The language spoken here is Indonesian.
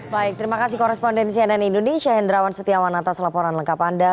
baik terima kasih korespondensi ann indonesia hendrawan setiawan atas laporan lengkap anda